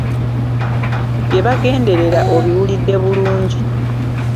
Bye bagenderera obiwulidde bulungi.